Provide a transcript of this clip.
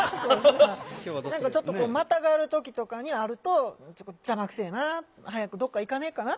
何かちょっとまたがる時とかにあると「邪魔くせえな。早くどっかいかねえかな」